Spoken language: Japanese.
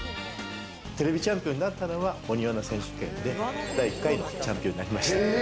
ＴＶチャンピオンになったのはお庭の選手権で第１回のチャンピオンになりました。